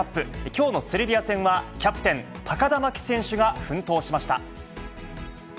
きょうのセルビア戦は、キャプテン、高田真希選手が奮闘しました。